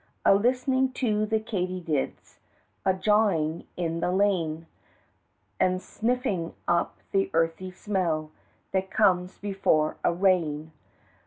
A listenin' to the katydids A jawin' in the lane, An' sniffin' up the earthy smell That comes before a rain.